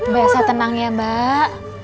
biasa tenang ya mbak